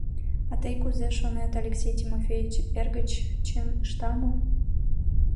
— А тый кузе шонет, Алексей Тимофеевич, эргыч чын ышта мо?